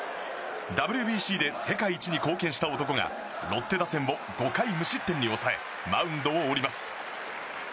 ＷＢＣで世界一に貢献した男がロッテ打線を５回無失点に抑えマウンドを降ります。